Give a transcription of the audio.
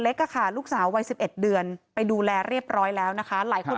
ค่ะลูกสาววัย๑๑เดือนไปดูแลเรียบร้อยแล้วนะคะหลายคน